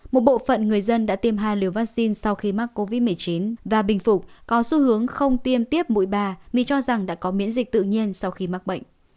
một bộ phận người dân đã tiêm hai liều vaccine sau khi mắc covid một mươi chín và bình phục có xu hướng không tiêm tiếp mũi bà vì cho rằng đã có miễn dịch tự nhiên sau khi mắc bệnh